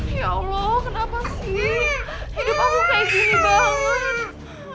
hidup aku kayak gini banget